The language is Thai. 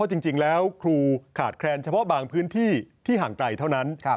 จริงแล้วครูขาดแคลนเฉพาะบางพื้นที่ที่ห่างไกลเท่านั้น